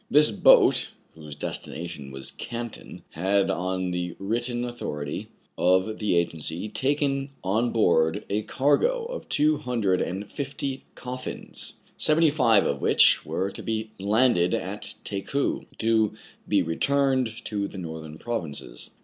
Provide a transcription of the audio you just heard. This boat, whose destination was Canton, had, on the written authority of the agency, taken on board a cargo of two hundred and fifty coffins, seventy five of which were to be landed at Takou, to be returned to the northern provinces.